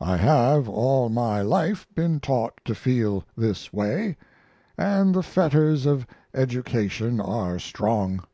I have all my life been taught to feel this way, and the fetters of education are strong.